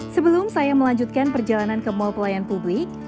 sebelum saya melanjutkan perjalanan ke mall pelayanan publik